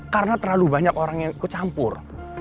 karena terlalu banyak orang yang ikut campur